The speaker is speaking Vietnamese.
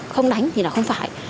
không đánh thì là không phải